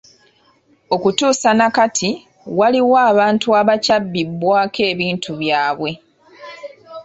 Okutuusa na kati waliwo abantu abakyabbibwako ebintu by’abwe.